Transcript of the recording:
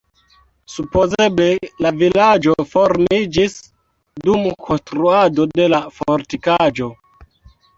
Supozeble la vilaĝo formiĝis dum konstruado de la fortikaĵo.